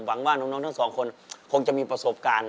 หวังว่าน้องทั้งสองคนคงจะมีประสบการณ์